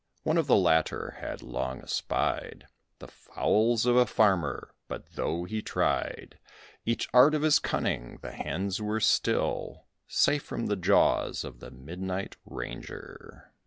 One of the latter had long espied The fowls of a Farmer; but though he tried Each art of his cunning, the hens were still Safe from the jaws of the midnight ranger.